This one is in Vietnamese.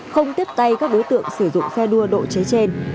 không tiếp tay các đối tượng sử dụng xe đua độ chế trên